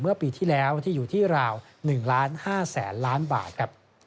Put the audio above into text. เมื่อปีที่แล้วที่อยู่ที่ราว๑๕ล้านบาท